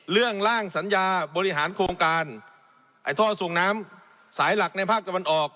ร่างสัญญาบริหารโครงการไอ้ท่อส่งน้ำสายหลักในภาคตะวันออก